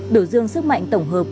đổ dương sức mạnh tổng hợp